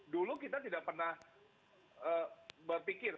dulu kita tidak pernah berpikir